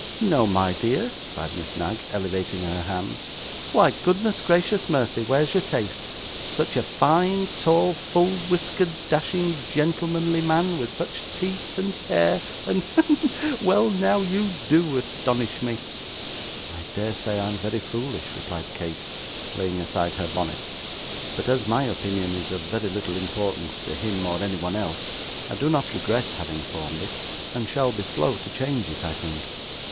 'No, my dear!' cried Miss Knag, elevating her hands. 'Why, goodness gracious mercy, where's your taste? Such a fine tall, full whiskered dashing gentlemanly man, with such teeth and hair, and hem well now, you DO astonish me.' 'I dare say I am very foolish,' replied Kate, laying aside her bonnet; 'but as my opinion is of very little importance to him or anyone else, I do not regret having formed it, and shall be slow to change it, I think.